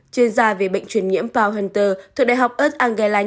chuyên gia về bệnh truyền nhiễm paul hunter thuộc đại học east england